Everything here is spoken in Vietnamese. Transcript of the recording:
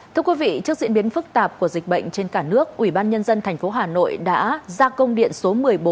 trước diễn biến phức tạp của dịch bệnh trên cả nước ubnd tp hà nội đã ra công điện số một mươi bốn